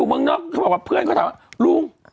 เขาบอกว่าเพื่อนเขาถามว่าลุง